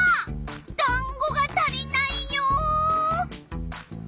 だんごが足りないよ！